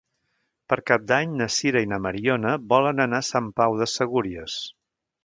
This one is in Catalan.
Per Cap d'Any na Sira i na Mariona volen anar a Sant Pau de Segúries.